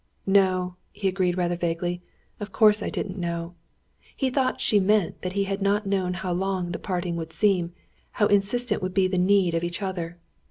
"No," he agreed rather vaguely, "of course I didn't know." He thought she meant that he had not known how long the parting would seem, how insistent would be the need of each other.